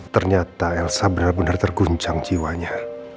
ternyata elsa benar benar terguncang jiwanya